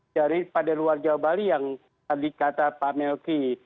jadi pada luar jawa bali yang tadi kata pak melky